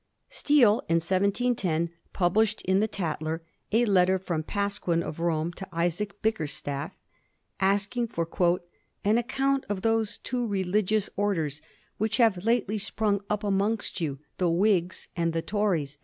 Steele, in 1710, published in the' Tatier ' a letter from Pasquin of Rome to Isaac Bickerstaff, asking for *an account of those two religious orders which have lately sprung up amongst you, the Whigs and the Tories.'